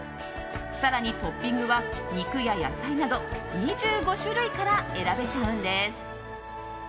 更にトッピングは肉や野菜など２５種類から選べちゃうんです。